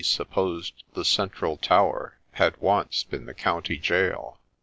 supposed the central tower ' had once been the county jail.'